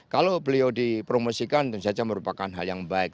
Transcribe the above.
kalau beliau dipromosikan tentu saja merupakan hal yang baik